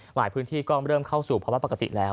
หลายพื้นที่ก็เริ่มเข้าสู่ภาวะปกติแล้ว